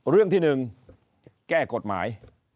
เรื่องที่๑แก้กฎหมาย